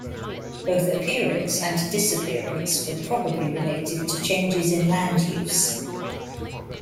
Both appearance and disappearance were probably related to changes in land use.